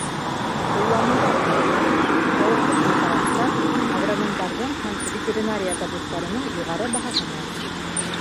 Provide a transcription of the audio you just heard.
Ҡулланыуҙа уңайлы, хәүефһеҙ препараттар агрономдарҙың һәм ветеринария табиптарының юғары баһаһын алды.